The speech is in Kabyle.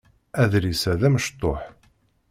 Adlis-a d amecṭuḥ.